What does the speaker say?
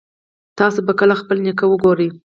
تاسو به کله خپل نیکه وګورئ